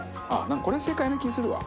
なんかこれが正解な気するわ。